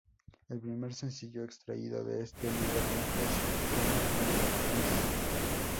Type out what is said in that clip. El primer sencillo extraído de este nuevo álbum es ""Come With Us"".